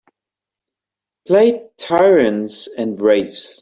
Play Tyrants And Wraiths